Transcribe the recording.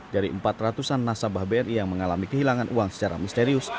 dari empat ratus an nasabah bri yang mengalami kehilangan uang secara misterius